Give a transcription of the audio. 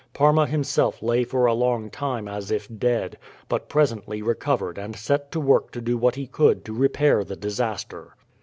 Parma himself lay for a long time as if dead, but presently recovered and set to work to do what he could to repair the disaster.